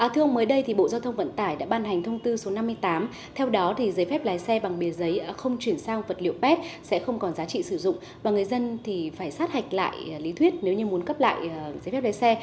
thưa ông mới đây thì bộ giao thông vận tải đã ban hành thông tư số năm mươi tám theo đó giấy phép lái xe bằng bề giấy không chuyển sang vật liệu pet sẽ không còn giá trị sử dụng và người dân thì phải sát hạch lại lý thuyết nếu như muốn cấp lại giấy phép lái xe